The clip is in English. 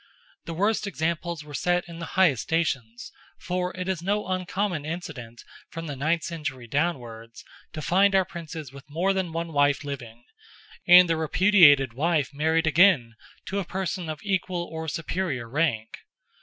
The worst examples were set in the highest stations, for it is no uncommon incident, from the ninth century downwards, to find our Princes with more than one wife living, and the repudiated wife married again to a person of equal or superior rank.